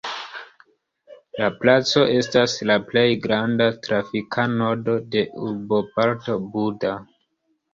La placo estas la plej granda trafika nodo de urboparto Buda.